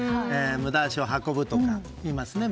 無駄足を運ぶとか言いますね。